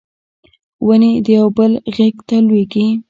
ونې د یو بل غیږ ته لویږي